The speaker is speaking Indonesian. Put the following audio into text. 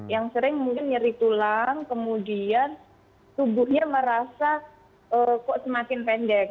yang sering mungkin nyeri tulang kemudian tubuhnya merasa kok semakin pendek